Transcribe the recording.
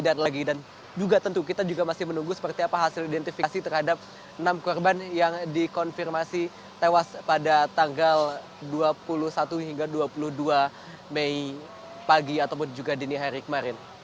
dan juga tentu kita masih menunggu seperti apa hasil identifikasi terhadap enam korban yang dikonfirmasi tewas pada tanggal dua puluh satu hingga dua puluh dua mei pagi ataupun juga di hari kemarin